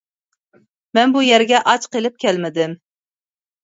مەن بۇ يەرگە ئاچ قىلىپ كەلمىدىم.